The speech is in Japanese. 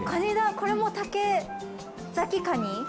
これも竹崎カニ？